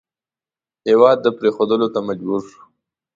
هېواد پرېښودلو ته مجبور شو.